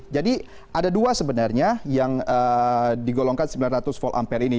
jadi ada dua sebenarnya yang digolongkan sembilan ratus v ampere ini